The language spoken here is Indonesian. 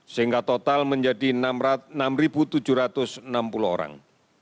sehingga total menjadi enam tujuh ratus enam puluh orang